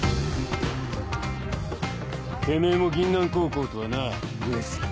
てめぇも銀杏高校とはな上杉。